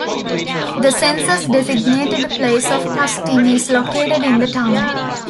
The census-designated place of Tustin is located in the town.